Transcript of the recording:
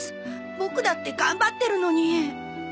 ボクだって頑張ってるのに。